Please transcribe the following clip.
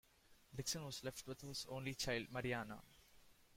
Dixon was left with his only child, Marianna.